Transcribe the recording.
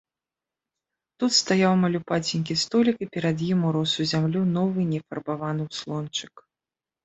Тут стаяў малюпаценькі столік, і перад ім урос у зямлю новы нефарбаваны ўслончык.